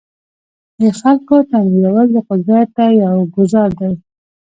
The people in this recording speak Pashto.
د خلکو تنویرول د قدرت ته یو ګوزار دی.